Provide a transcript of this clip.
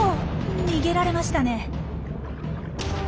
逃げられましたね。